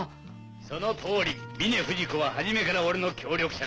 その通り峰不二子は初めから俺の協力者だ。